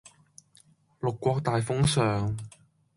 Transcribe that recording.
六國大封相